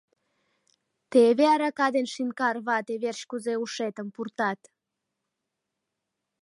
Теве арака ден шинкар вате верч кузе ушетым пуртат!